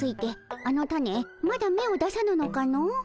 あのタネまだめを出さぬのかの？